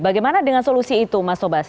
bagaimana dengan solusi itu mas tobas